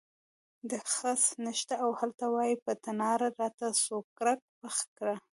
ډکی خس نشته او هلته وایې په تناره راته سوکړک پخ کړه.